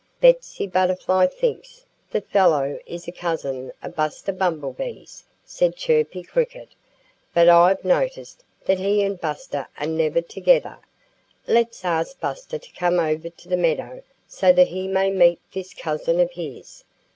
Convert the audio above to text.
"Betsy Butterfly thinks the fellow is a cousin of Buster Bumblebee's," said Chirpy Cricket. "But I've noticed that he and Buster are never together. Let's ask Buster to come over to the meadow so that he may meet this cousin of his!